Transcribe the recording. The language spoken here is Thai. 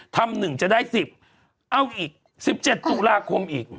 ทำ๑จะได้๑๐เอาอีก๑๗ตุลาคมอีก